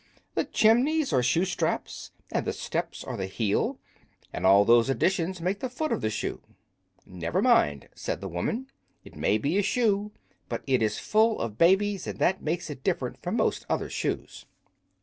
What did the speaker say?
The chimneys are shoe straps, and the steps are the heel, and all those additions make the foot of the shoe." "Never mind," said the woman; "it may be a shoe, but it is full of babies, and that makes it different from most other shoes."